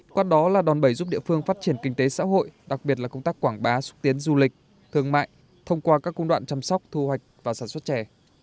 qua đó là đòn bẩy giúp địa phương phát triển kinh tế xã hội đặc biệt là công tác quảng bá xúc tiến du lịch thương mại thông qua các cung đoạn chăm sóc thu hoạch và sản xuất chè